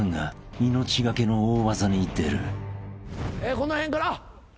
この辺から。